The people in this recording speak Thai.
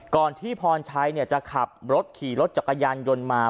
ก่อนที่พรชัยจะขับรถขี่รถจักรยานยนต์มา